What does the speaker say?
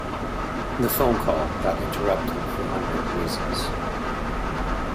The phone call got interrupted for unknown reasons.